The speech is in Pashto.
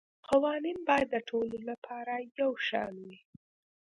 قوانین باید د ټولو لپاره یو شان وي